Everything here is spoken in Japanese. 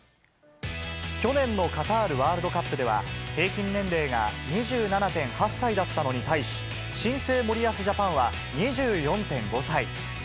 去年のカタールワールドカップでは、平均年齢が２７．８歳だったのに対し、新生森保ジャパンは２４．５歳。